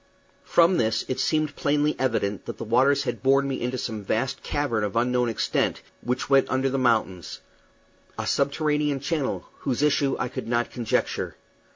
From this it seemed plainly evident that the waters had borne me into some vast cavern of unknown extent, which went under the mountains a subterranean channel, whose issue I could not conjecture.